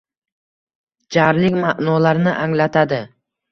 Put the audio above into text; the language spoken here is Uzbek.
Jarlik maʼnolarini anglatadi